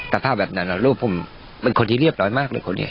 ภาพแบบนั้นลูกผมเป็นคนที่เรียบร้อยมากเลยคนนี้